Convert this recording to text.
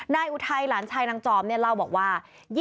อุทัยหลานชายนางจอมเนี่ยเล่าบอกว่า